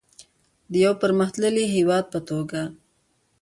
د یو پرمختللي هیواد په توګه.